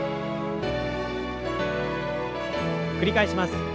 繰り返します。